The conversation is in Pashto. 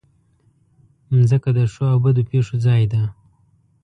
مځکه د ښو او بدو پېښو ځای ده.